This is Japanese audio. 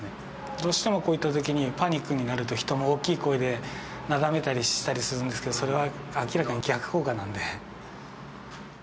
どうしてもこういったときにパニックになると人も大きい声でなだめたりするんですけどそれは明らかに逆効果なので。